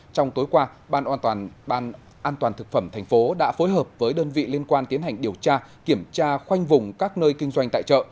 trong tối qua ban an toàn thực phẩm thành phố đã phối hợp với đơn vị liên quan tiến hành điều tra kiểm tra khoanh vùng các nơi kinh doanh tại chợ